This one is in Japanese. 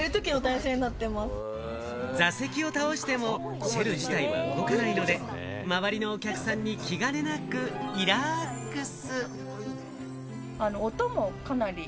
座席を倒してもシェル自体は動かないので、周りのお客さんに気兼ねなく、リラックス！